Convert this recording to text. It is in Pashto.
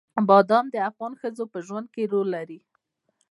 بادام د افغان ښځو په ژوند کې رول لري.